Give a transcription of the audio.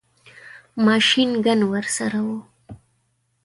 ماشین ګن ورسره وو.